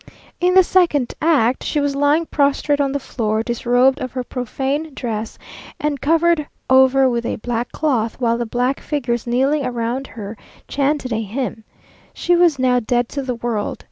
In the second act, she was lying prostrate on the floor, disrobed of her profane dress, and covered over with a black cloth, while the black figures kneeling round her chanted a hymn. She was now dead to the world.